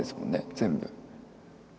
全部。